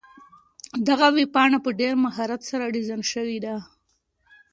دغه ویبپاڼه په ډېر مهارت سره ډیزاین شوې ده.